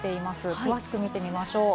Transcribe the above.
詳しく見てみましょう。